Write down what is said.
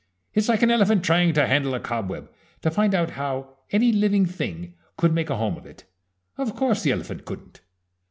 It's like an elephant trying to handle a cobweb to find out how any living thing could make a home of it. Of course the elephant couldn't!"